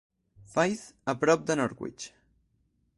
Faith, a prop de Norwich.